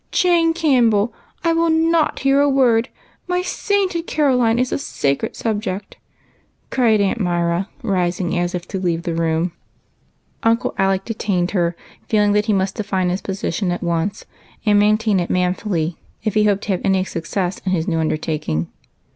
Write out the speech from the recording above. " Jane Campbell, I will not hear a word ! My sainted AUNTS. 41 Caroline is a sacred subject," cried Aunt Myra, rising as if to leave the room. Dr. Alec detained her, feeling that he must define his position at once, and maintain it manfully if he hoped to have any success in his new undertaking.